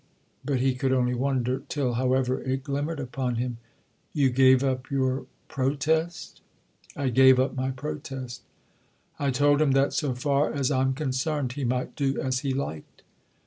But he could only wonder—till, however, it glimmered upon him. "You gave up your protest?" "I gave up my protest. I told him that—so far as I'm concerned!—he might do as he liked."